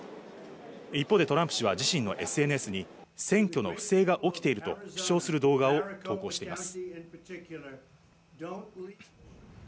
一方でトランプ氏は自身のＳＮＳに選挙の不正が起きていると主張する動画を投稿しています。